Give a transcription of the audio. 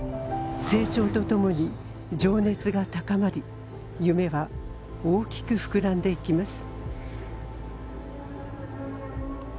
成長と共に情熱が高まり夢は大きく膨らんできます。